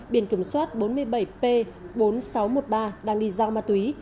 biển kiểm soát bốn mươi bảy p bốn nghìn sáu trăm một mươi ba đang đi giao ma túy